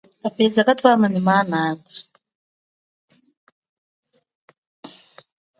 Kapeza katwama nyi mana andji.